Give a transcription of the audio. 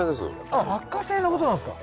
あっ落花生のことなんすか。